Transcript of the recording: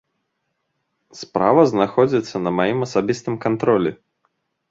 Справа знаходзіцца на маім асабістым кантролі.